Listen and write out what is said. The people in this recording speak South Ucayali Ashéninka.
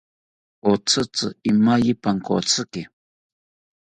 Otzitzi imaye pankotziki